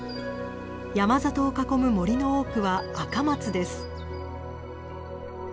山里を囲む森の多くはアカマツです。